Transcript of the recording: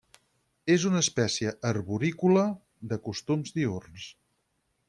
És una espècie arborícola de costums diürns.